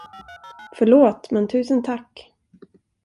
Förlåt, men tusen tack!